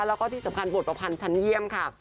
แล้วก็ที่สำคัญบทประพันธ์ชั้นเยี่ยมค่ะ